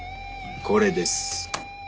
これです。